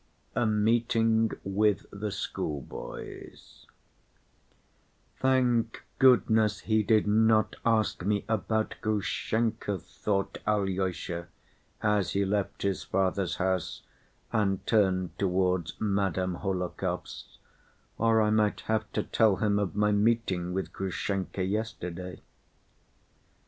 A Meeting With The Schoolboys "Thank goodness he did not ask me about Grushenka," thought Alyosha, as he left his father's house and turned towards Madame Hohlakov's, "or I might have to tell him of my meeting with Grushenka yesterday."